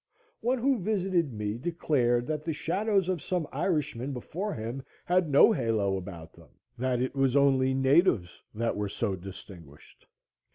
One who visited me declared that the shadows of some Irishmen before him had no halo about them, that it was only natives that were so distinguished.